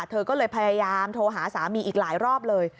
เธอก็เลยพยายามโทรหาสามีอีกหลายรอบเลย